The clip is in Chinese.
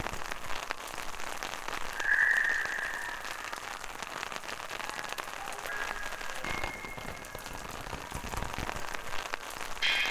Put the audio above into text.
一名叫阿特拉斯的爱尔兰人用潜水球里的无线电通信装置指引杰克前往安全地点。